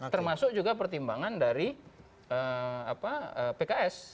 termasuk juga pertimbangan dari pks